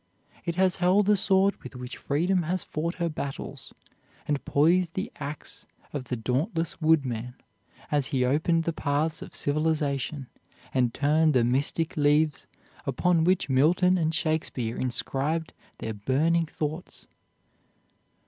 It has held the sword with which freedom has fought her battles, and poised the axe of the dauntless woodman as he opened the paths of civilization, and turned the mystic leaves upon which Milton and Shakespeare inscribed their burning thoughts.